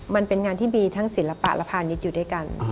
มันเป็นงานที่มีทั้งศิลปะและพาณิชย์อยู่ด้วยกัน